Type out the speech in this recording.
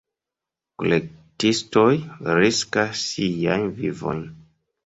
Kolektistoj riskas siajn vivojn.